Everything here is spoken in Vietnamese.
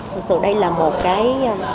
thực sự đây là một cái